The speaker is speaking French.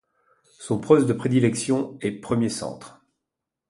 Son poste de prédilection est premier centre.